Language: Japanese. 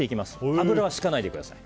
油はひかないでください。